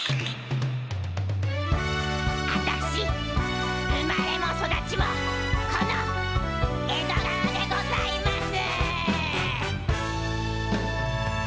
あたし生まれも育ちもこの江戸川でございます！